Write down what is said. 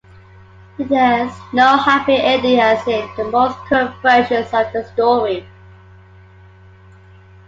There is no happy ending as in most current versions of the story.